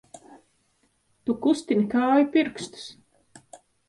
Tu kustini kāju pirkstus!